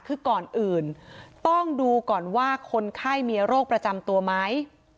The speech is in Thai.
คือก่อนอื่นต้องดูก่อนว่าคนไข้มีโรคประจำตัวไหม